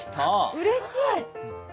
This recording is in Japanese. うれしい。